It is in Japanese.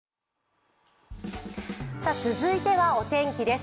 続いてはお天気です。